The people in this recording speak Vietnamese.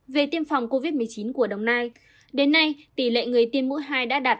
về tiêm phòng covid một mươi chín của đồng nai đến nay tỷ lệ người tiên mũi hai đã đạt tám mươi một chín